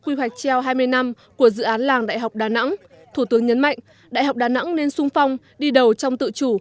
quy hoạch treo hai mươi năm của dự án làng đại học đà nẵng thủ tướng nhấn mạnh đại học đà nẵng nên sung phong đi đầu trong tự chủ